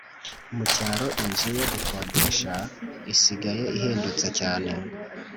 mu cyaro inzu yo gukodesha isigaye ihendutse cyane